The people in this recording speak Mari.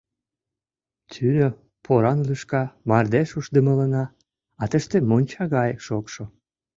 Тӱнӧ поран лӱшка, мардеж ушдымылана, а тыште монча гае шокшо.